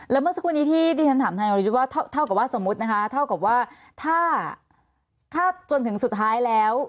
แล้วเมื่อสักครู่นี้ที่ฉันถามทนายวรยุทธ์ว่าเท่ากับว่าสมมุตินะคะเท่ากับว่าถ้าจนถึงสุดท้ายแล้ว